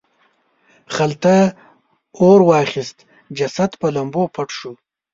خلته اور واخیست جسد په لمبو پټ شو.